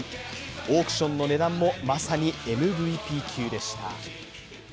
オークションの値段もまさにＭＶＰ級でした。